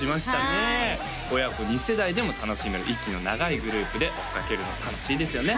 はい親子２世代でも楽しめる息の長いグループで追っかけるの楽しいですよね